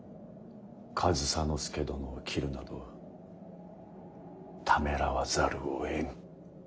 上総介殿を斬るなどためらわざるをえん。